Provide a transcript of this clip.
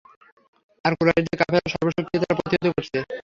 আর কুরাইশের কাফেররা সর্বশক্তিতে তা প্রতিহত করছে।